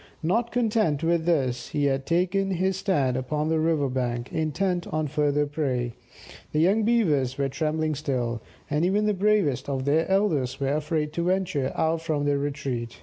Not content with this, he had taken his stand upon the river bank, intent on further prey. The young Beavers were trembling still, and even the bravest of their elders were afraid to venture out from their retreat.